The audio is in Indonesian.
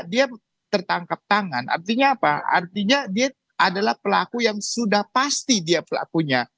dia tertangkap tangan artinya apa artinya dia adalah pelaku yang sudah pasti dia pelakunya